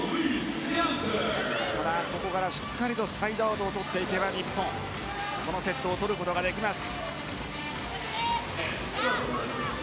ここからしっかりとサイドアウトをとっていけば日本、このセットを取ることができます。